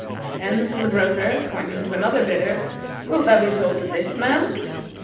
'" Then said the broker, pointing to another bidder, "Wilt thou be sold to this man?"